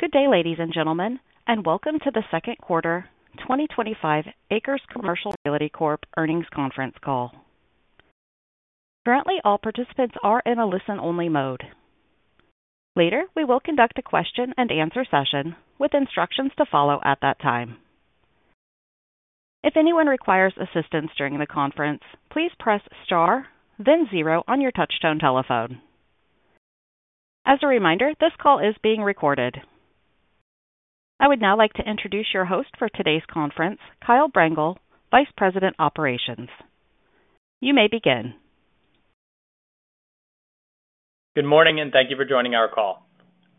Good day, ladies and gentlemen, and welcome to the Second Quarter 2025 ACRES Commercial Realty Corp. Earnings Conference Call. Currently, all participants are in a listen-only mode. Later, we will conduct a question-and-answer session with instructions to follow at that time. If anyone requires assistance during the conference, please press star, then zero on your touch-tone telephone. As a reminder, this call is being recorded. I would now like to introduce your host for today's conference, Kyle Brengel, Vice President of Operations. You may begin. Good morning and thank you for joining our call.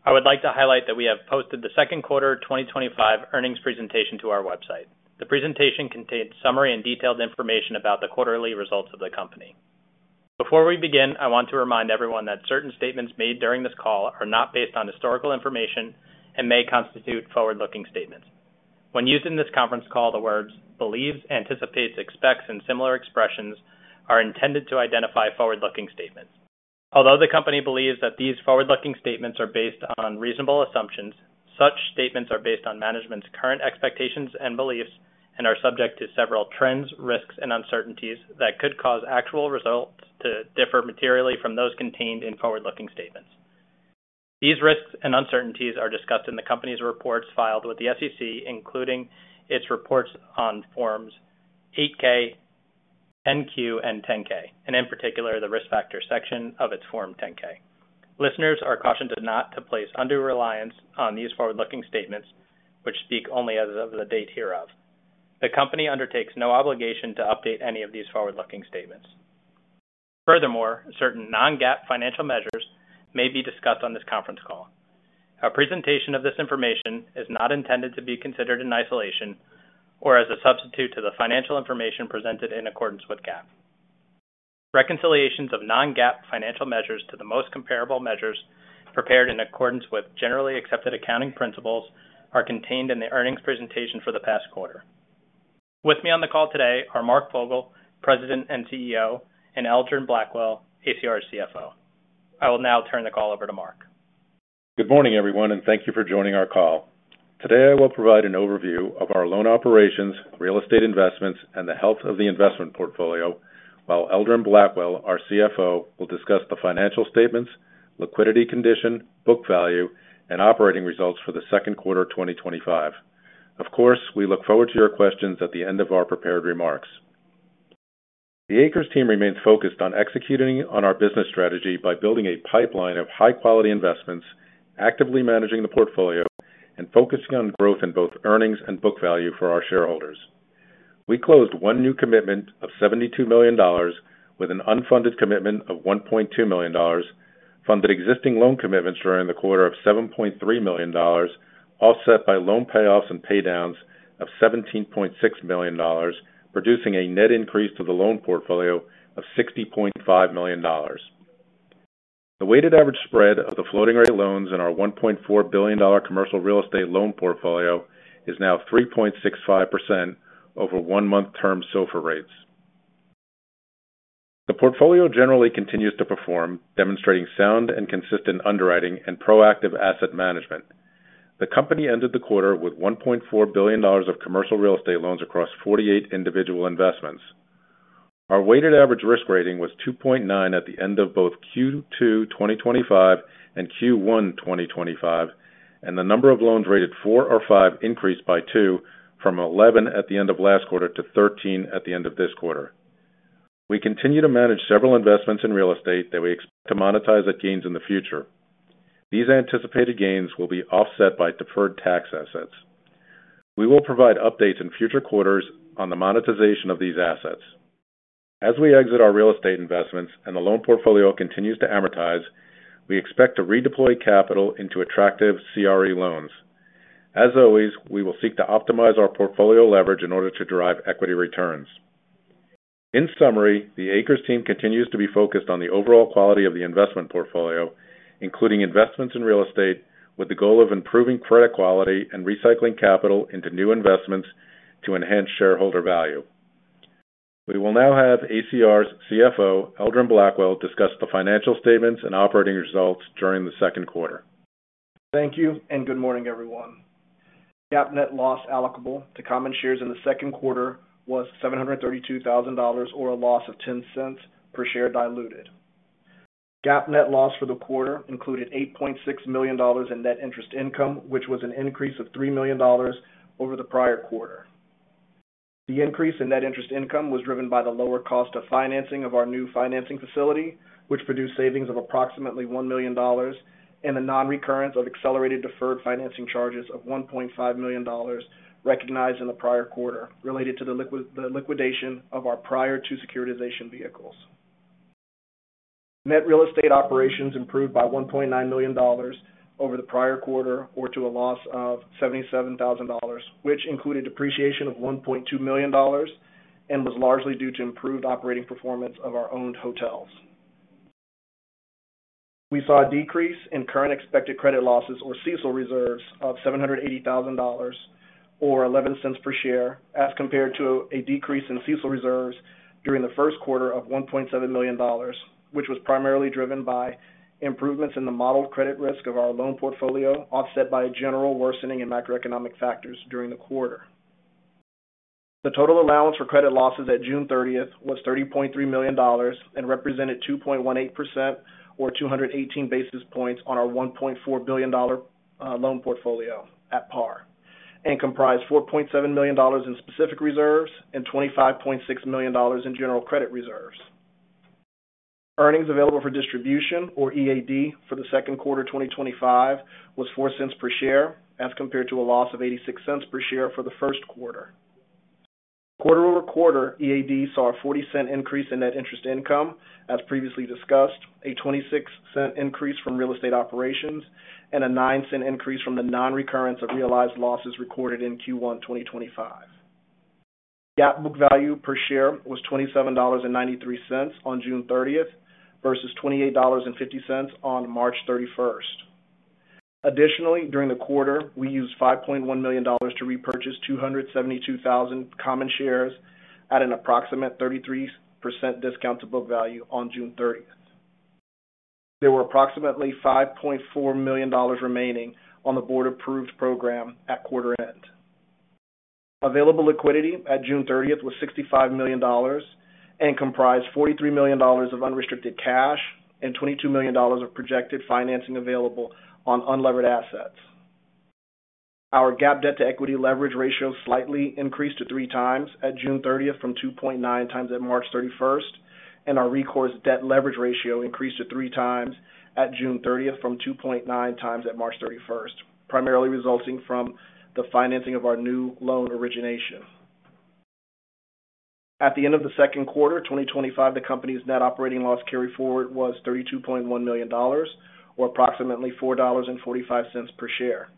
I would like to highlight that we have posted the second quarter 2025 earnings presentation to our website. The presentation contains summary and detailed information about the quarterly results of the company. Before we begin, I want to remind everyone that certain statements made during this call are not based on historical information and may constitute forward-looking statements. When used in this conference call, the words "believes," "anticipates," "expects," and similar expressions are intended to identify forward-looking statements. Although the company believes that these forward-looking statements are based on reasonable assumptions, such statements are based on management's current expectations and beliefs and are subject to several trends, risks, and uncertainties that could cause actual results to differ materially from those contained in forward-looking statements. These risks and uncertainties are discussed in the company's reports filed with the SEC, including its reports on Forms 8-K, 10-Q, and 10-K, and in particular the risk factor section of its Form 10-K. Listeners are cautioned not to place undue reliance on these forward-looking statements, which speak only as of the date hereof. The company undertakes no obligation to update any of these forward-looking statements. Furthermore, certain non-GAAP financial measures may be discussed on this conference call. A presentation of this information is not intended to be considered in isolation or as a substitute to the financial information presented in accordance with GAAP. Reconciliations of non-GAAP financial measures to the most comparable measures prepared in accordance with generally accepted accounting principles are contained in the earnings presentation for the past quarter. With me on the call today are Mark Fogel, President and CEO, and Eldron Blackwell, Chief Financial Officer. I will now turn the call over to Mark. Good morning, everyone, and thank you for joining our call. Today, I will provide an overview of our loan operations, real estate investments, and the health of the investment portfolio, while Eldron Blackwell, our CFO, will discuss the financial statements, liquidity condition, book value, and operating results for the second quarter 2025. Of course, we look forward to your questions at the end of our prepared remarks. The ACRES team remains focused on executing on our business strategy by building a pipeline of high-quality investments, actively managing the portfolio, and focusing on growth in both earnings and book value for our shareholders. We closed one new commitment of $72 million with an unfunded commitment of $1.2 million, funded existing loan commitments during the quarter of $7.3 million, all offset by loan payoffs and paydowns of $17.6 million, producing a net increase to the loan portfolio of $60.5 million. The weighted average spread of the floating rate loans in our $1.4 billion commercial real estate loan portfolio is now 3.65% over one-month term SOFR rates. The portfolio generally continues to perform, demonstrating sound and consistent underwriting and proactive asset management. The company ended the quarter with $1.4 billion of commercial real estate loans across 48 individual investments. Our weighted average risk rating was 2.9 at the end of both Q2 2025 and Q1 2025, and the number of loans rated 4 or 5 increased by 2, from 11 at the end of last quarter to 13 at the end of this quarter. We continue to manage several investments in real estate that we expect to monetize at gains in the future. These anticipated gains will be offset by deferred tax assets. We will provide updates in future quarters on the monetization of these assets. As we exit our real estate investments and the loan portfolio continues to amortize, we expect to redeploy capital into attractive CRE loans. As always, we will seek to optimize our portfolio leverage in order to drive equity returns. In summary, the ACRES team continues to be focused on the overall quality of the investment portfolio, including investments in real estate, with the goal of improving credit quality and recycling capital into new investments to enhance shareholder value. We will now have ACRES' CFO, Eldron Blackwell, discuss the financial statements and operating results during the second quarter. Thank you and good morning, everyone. GAAP net loss allocable to common shares in the second quarter was $732,000 or a loss of $0.10 per diluted share. GAAP net loss for the quarter included $8.6 million in net interest income, which was an increase of $3 million over the prior quarter. The increase in net interest income was driven by the lower cost of financing of our new financing facility, which produced savings of approximately $1 million, and the non-recurrence of accelerated deferred financing charges of $1.5 million recognized in the prior quarter related to the liquidation of our prior two securitization vehicles. Net real estate operations improved by $1.9 million over the prior quarter, or to a loss of $77,000, which included depreciation of $1.2 million and was largely due to improved operating performance of our owned hotels. We saw a decrease in current expected credit losses, or CECL reserves, of $780,000 or $0.11 per share as compared to a decrease in CECL reserves during the first quarter of $1.7 million, which was primarily driven by improvements in the modeled credit risk of our loan portfolio offset by a general worsening in macroeconomic factors during the quarter. The total allowance for credit losses at June 30th was $30.3 million and represented 2.18% or 218 basis points on our $1.4 billion loan portfolio at par and comprised $4.7 million in specific reserves and $25.6 million in general credit reserves. Earnings available for distribution, or EAD, for the second quarter 2025 was $0.04 per share as compared to a loss of $0.86 per share for the first quarter. Quarter over quarter, EAD saw a $0.40 increase in net interest income, as previously discussed, a $0.26 increase from real estate operations, and a $0.09 increase from the non-recurrence of realized losses recorded in Q1 2025. GAAP book value per share was $27.93 on June 30th versus $28.50 on March 31st. Additionally, during the quarter, we used $5.1 million to repurchase 272,000 common shares at an approximate 33% discount to book value on June 30th. There were approximately $5.4 million remaining on the board-approved program at quarter end. Available liquidity at June 30th was $65 million and comprised $43 million of unrestricted cash and $22 million of projected financing available on unlevered assets. Our GAAP debt-to-equity leverage ratio slightly increased to 3x at June 30th from 2.9x at March 31st, and our recourse debt leverage ratio increased to 3x at June 30th from 2.9x at March 31st, primarily resulting from the financing of our new loan origination. At the end of the second quarter 2025, the company's net operating loss carry forward was $32.1 million, or approximately $4.45 per share.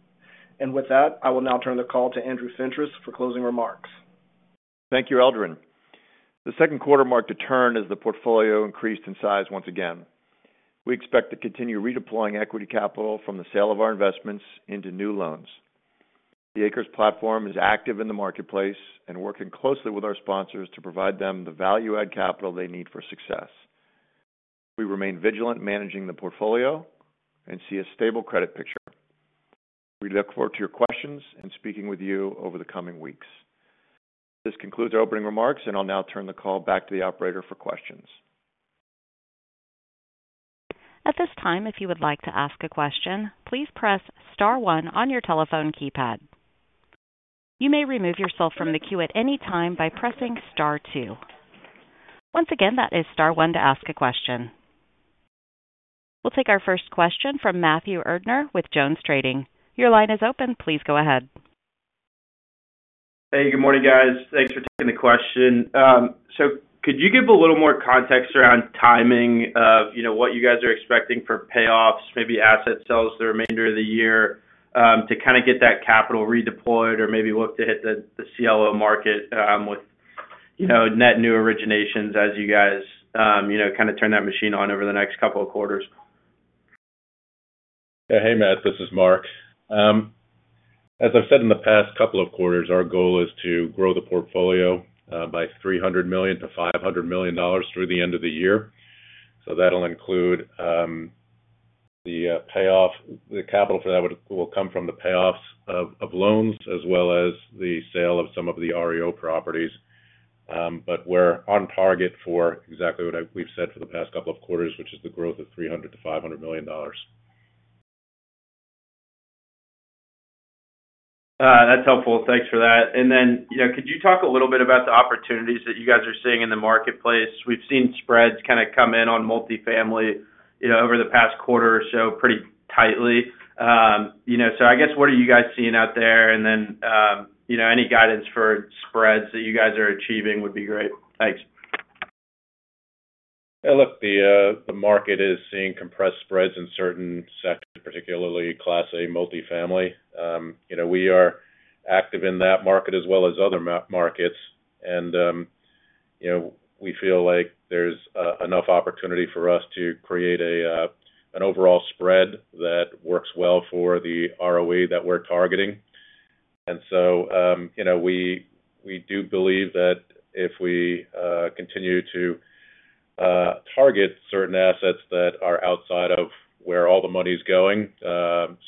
I will now turn the call to Andrew Fentress for closing remarks. Thank you, Eldron. The second quarter marked a turn as the portfolio increased in size once again. We expect to continue redeploying equity capital from the sale of our investments into new loans. The ACRES platform is active in the marketplace and working closely with our sponsors to provide them the value-added capital they need for success. We remain vigilant managing the portfolio and see a stable credit picture. We look forward to your questions and speaking with you over the coming weeks. This concludes our opening remarks, and I'll now turn the call back to the operator for questions. At this time, if you would like to ask a question, please press star one on your telephone keypad. You may remove yourself from the queue at any time by pressing star two. Once again, that is star one to ask a question. We'll take our first question from Matthew Erdner with Jones Trading. Your line is open. Please go ahead. Hey, good morning, guys. Thanks for taking the question. Could you give a little more context around timing of what you guys are expecting for payoffs, maybe asset sales the remainder of the year, to kind of get that capital redeployed or maybe look to hit the CRE CLO market, with net new originations as you guys kind of turn that machine on over the next couple of quarters? Yeah, hey Matt, this is Mark. As I've said in the past couple of quarters, our goal is to grow the portfolio by $300 million-$500 million through the end of the year. That will include the payoff, the capital for that will come from the payoffs of loans as well as the sale of some of the REO properties. We're on target for exactly what we've said for the past couple of quarters, which is the growth of $300 million-$500 million. That's helpful. Thanks for that. Could you talk a little bit about the opportunities that you guys are seeing in the marketplace? We've seen spreads kind of come in on multifamily over the past quarter or so pretty tightly. I guess what are you guys seeing out there? Any guidance for spreads that you guys are achieving would be great. Thanks. Yeah, look, the market is seeing compressed spreads in certain sectors, particularly class A multifamily. We are active in that market as well as other markets. We feel like there's enough opportunity for us to create an overall spread that works well for the ROE that we're targeting. We do believe that if we continue to target certain assets that are outside of where all the money's going,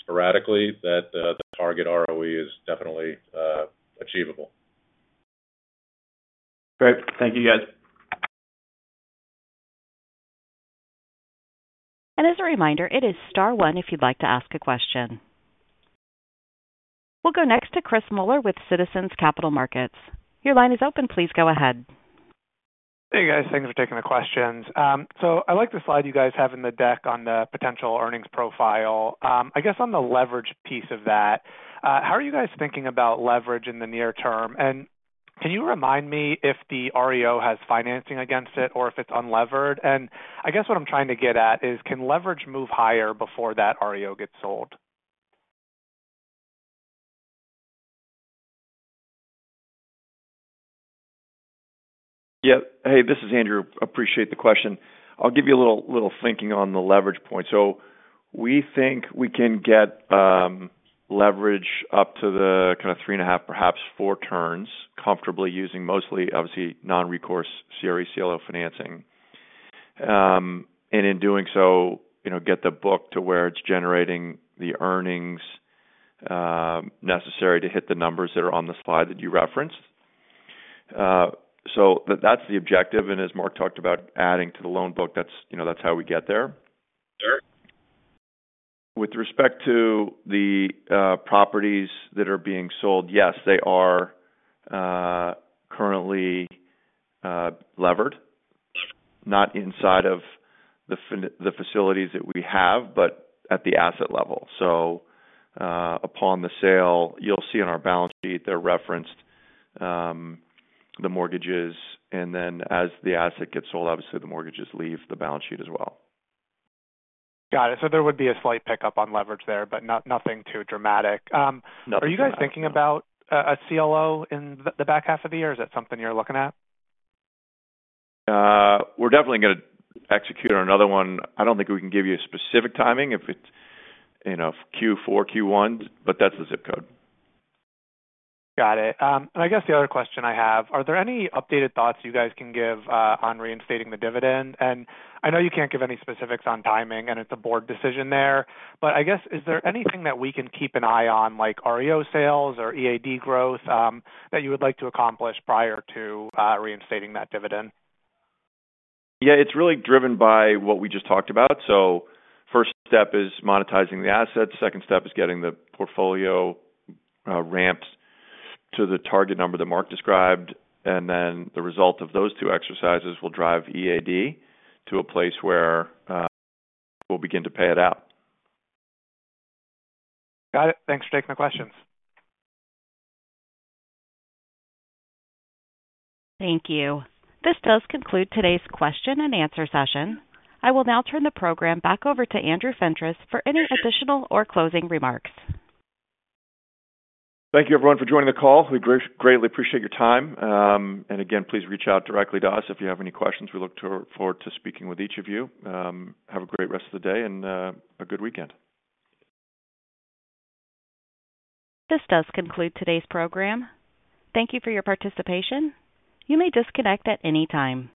sporadically, the target ROE is definitely achievable. Great. Thank you, guys. As a reminder, it is star one if you'd like to ask a question. We'll go next to Chris Muller with Citizens Capital Markets. Your line is open. Please go ahead. Hey guys, thanks for taking the questions. I like the slide you guys have in the deck on the potential earnings profile. I guess on the leverage piece of that, how are you guys thinking about leverage in the near term? Can you remind me if the REO has financing against it or if it's unlevered? I guess what I'm trying to get at is can leverage move higher before that REO gets sold? Yep. Hey, this is Andrew. Appreciate the question. I'll give you a little thinking on the leverage point. We think we can get leverage up to the kind of 3.5, perhaps 4 turns comfortably using mostly, obviously, non-recourse CRE CLO financing. In doing so, you know, get the book to where it's generating the earnings necessary to hit the numbers that are on the slide that you referenced. That's the objective. As Mark talked about adding to the loan book, that's how we get there. Sure. With respect to the properties that are being sold, yes, they are currently levered, not inside of the facilities that we have, but at the asset level. Upon the sale, you'll see on our balance sheet they're referenced, the mortgages, and then as the asset gets sold, obviously, the mortgages leave the balance sheet as well. There would be a slight pickup on leverage there, but nothing too dramatic. Are you guys thinking about a CRE CLO in the back half of the year? Is that something you're looking at? We're definitely going to execute on another one. I don't think we can give you a specific timing if it's, you know, Q4 or Q1, but that's the zip code. Got it. I guess the other question I have, are there any updated thoughts you guys can give on reinstating the dividend? I know you can't give any specifics on timing and it's a board decision there, but I guess is there anything that we can keep an eye on, like REO sales or EAD growth, that you would like to accomplish prior to reinstating that dividend? It's really driven by what we just talked about. First step is monetizing the assets. Second step is getting the portfolio ramped to the target number that Mark described. The result of those two exercises will drive EAD to a place where we'll begin to pay it out. Got it. Thanks for taking the questions. Thank you. This does conclude today's question and answer session. I will now turn the program back over to Andrew Fentress for any additional or closing remarks. Thank you, everyone, for joining the call. We greatly appreciate your time. Again, please reach out directly to us if you have any questions. We look forward to speaking with each of you. Have a great rest of the day and a good weekend. This does conclude today's program. Thank you for your participation. You may disconnect at any time.